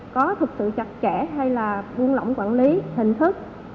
có thực sự chặt chẽ hay là buôn lỏng quản lý hình thức